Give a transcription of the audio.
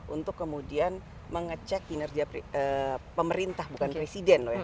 untuk kemudian mengecek kinerja pemerintah bukan presiden loh ya